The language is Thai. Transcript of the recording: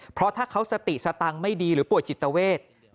เพราะถ้าเขาสติสตังค์ไม่ดีหรือป่วยจิตเวท